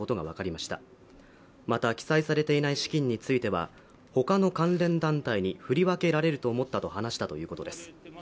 また記載されていない資金についてはほかの関連団体に振り分けられると思ったと話したということです